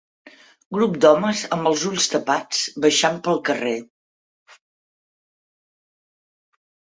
Grup d'homes amb els ulls tapats baixant pel carrer.